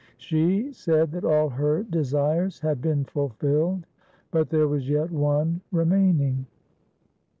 She said that all her de sires had been fulfilled, but there was yet one remaining.